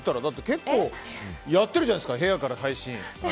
結構やってるじゃないですか部屋から配信。